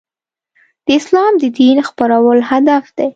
د اسلام د دین خپرول هدف دی.